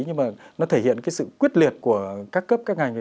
nhưng mà nó thể hiện cái sự quyết liệt của các cấp các ngành